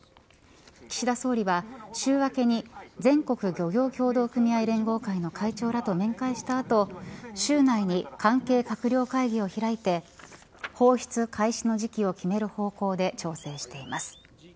岸田総理は週明けに全国漁業協同組合連合会の会長らと面会した後週内に関係閣僚会議を開いて放出開始の時期を決める方向で調整しています。